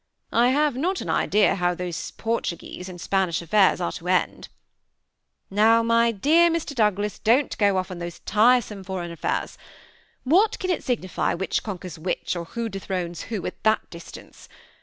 I have not an idea how those Portuguese and Spanish affairs are to end." ^ Now, my dear Mr. Douglas, don't go off on those tiresome foreign affairs. What can it signify which conquers which, or who dethrones who, at that distance